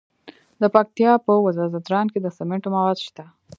د پکتیا په وزه ځدراڼ کې د سمنټو مواد شته.